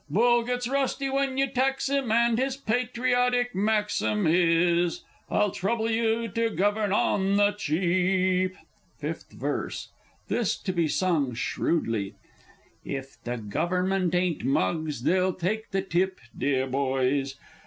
Bull gets rusty when you tax him, and his patriotic maxim Is, "I'll trouble you to govern On the Cheap!" Fifth Verse (this to be sung shrewdly). If the Gover'ment ain't mugs they'll take the tip, deah boys!